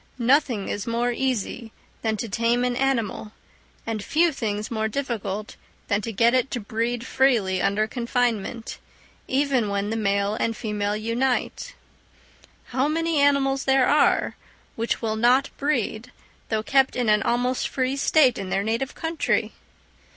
Nothing is more easy than to tame an animal, and few things more difficult than to get it to breed freely under confinement, even when the male and female unite. How many animals there are which will not breed, though kept in an almost free state in their native country!